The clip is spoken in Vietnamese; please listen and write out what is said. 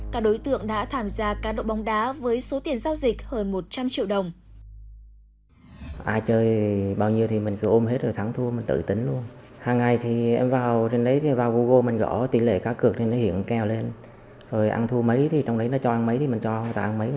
các đối tượng đã tham gia cá độ bóng đá với số tiền giao dịch hơn một trăm linh triệu đồng